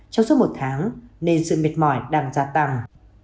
trong suốt một tháng nên sự mệt mỏi đang gia tăng